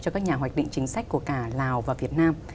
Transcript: cho các nhà hoạch định chính sách của cả lào và việt nam